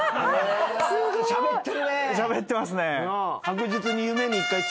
しゃべってますね。